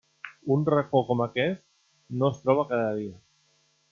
Un racó com aquest no es troba cada dia.